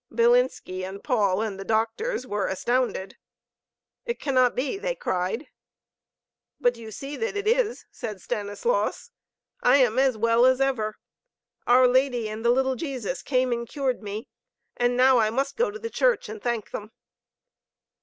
Bilinski and Paul and the doctors were astounded. "It cannot be!" they cried. "But you see that it is," said Stanislaus. "I am as well as ever. Our Lady and the little Jesus came and cured me. And now I must go to the church and thank them."